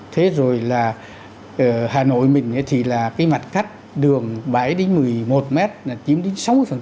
thế rồi là hà nội mình thì là cái mặt cách đường bảy đến một mươi một m là chiếm đến sáu mươi